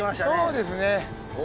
そうですね。